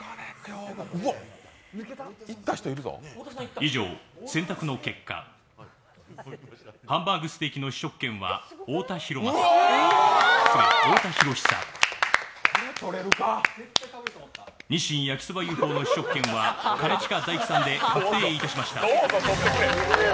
以上選択の結果、ハンバーグステーキの試食権は太田博久、日清焼そばＵ．Ｆ．Ｏ．の試食権は兼近大樹さんで確定いたしました。